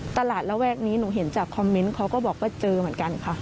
ระแวกนี้หนูเห็นจากคอมเมนต์เขาก็บอกว่าเจอเหมือนกันค่ะ